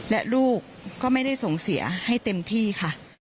และลูกก็ไม่ได้ส่งเสียให้เต็มที่ค่ะ